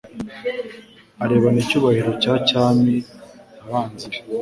arebana icyubahiro cya cyami abanzi be,